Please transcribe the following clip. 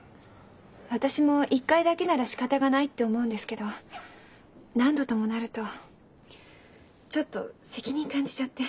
私も一回だけならしかたがないって思うんですけど何度ともなるとちょっと責任感じちゃって。